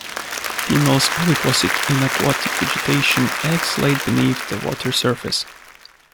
Females oviposit in aquatic vegetation, eggs laid beneath the water surface.